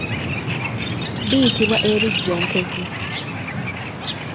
Biyitibwa ebijjonkezi.